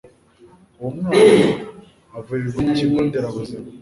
uwo mwana avurirwa ku kigo nderabuzima